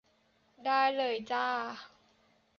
ได้เลยจ้า